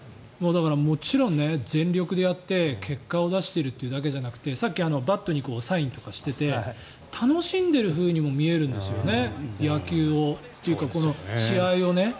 だからもちろん全力でやって結果を出してるというだけじゃなくてさっき、バットにサインとかしていて楽しんでるふうにも見えるんですよね、野球を。というか、この試合をね。